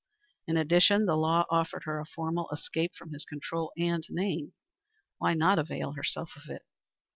In addition, the law offered her a formal escape from his control and name. Why not avail herself of it?